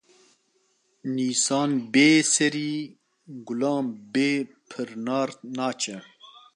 Nîsan bê serî, gulan bê pirnar naçe